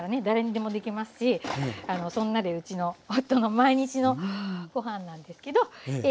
誰にでもできますしそんなでうちの夫の毎日のご飯なんですけど。